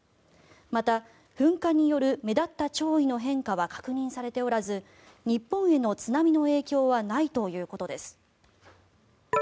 また、噴火による目立った潮位の変化は確認されておらず日本への津波の影響はないということです。